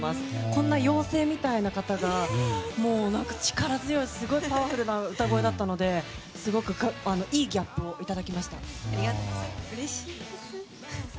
こんな妖精みたいな方が力強くてすごいパワフルな歌声だったのですごくいいギャップをうれしいです。